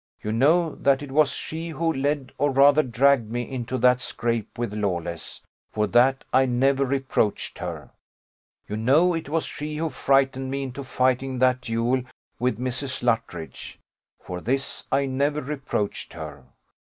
You know that it was she who led or rather dragged me into that scrape with Lawless; for that I never reproached her. You know it was she who frightened me into fighting that duel with Mrs. Luttridge; for this I never reproached her.